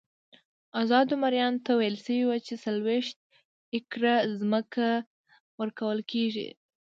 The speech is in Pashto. ازادو مریانو ته ویل شوي وو چې څلوېښت ایکره ځمکه ورکول کېږي.